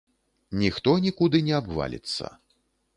Ніхто нікуды не абваліцца.